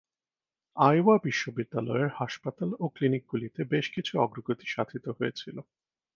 আইওয়া বিশ্ববিদ্যালয়ের হাসপাতাল ও ক্লিনিকগুলিতে বেশ কিছু অগ্রগতি সাধিত হয়েছিল।